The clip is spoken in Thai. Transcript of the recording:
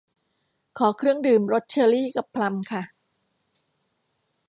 ขอเครื่องดื่มรสเชอรี่กับพลัมค่ะ